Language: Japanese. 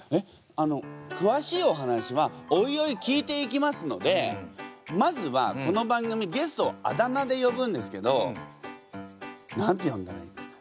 あのくわしいお話はおいおい聞いていきますのでまずはこの番組ゲストをあだ名で呼ぶんですけど何て呼んだらいいですか？